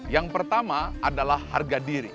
yang pertama adalah harga diri